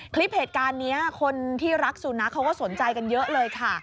คลิปเหตุการณ์นี้คนที่รักสุนัขเขาก็สนใจกันเยอะเลยค่ะ